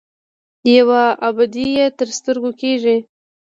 یوه ابادي یې تر سترګو کېږي.